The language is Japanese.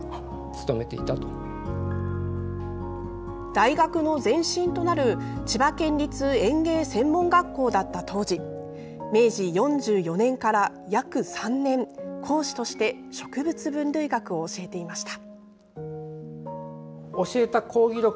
大学の前身となる千葉県立園芸専門学校だった当時明治４４年から約３年講師として植物分類学を教えていました。